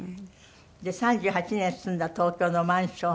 ３８年住んだ東京のマンション。